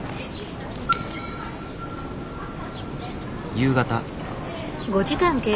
夕方。